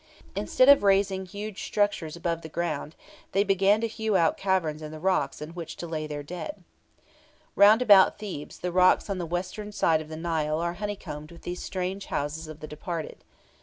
Instead of raising huge structures above ground, they began to hew out caverns in the rocks in which to lay their dead. Round about Thebes, the rocks on the western side of the Nile are honeycombed with these strange houses of the departed.